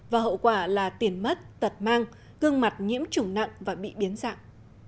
và hậu quả là tiền mất tật mang gương mặt nhiễm chủng nặng và bị biến dạng